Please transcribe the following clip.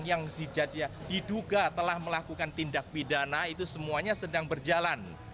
yang diduga telah melakukan tindak pidana itu semuanya sedang berjalan